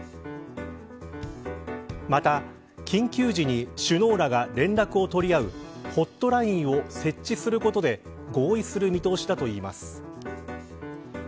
また、緊急時に首脳らが連絡を取り合うホットラインを設置することで合意する見通しだといいます。